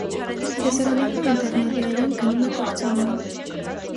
Տիեզերանավը անդառնալիորեն գնում է կործանման։